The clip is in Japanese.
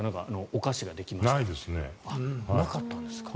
お菓子ができましたとか。